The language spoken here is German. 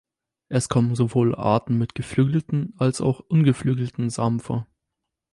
Es kommen sowohl Arten mit geflügelten als auch ungeflügelten Samen vor.